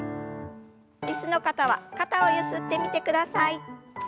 椅子の方は肩をゆすってみてください。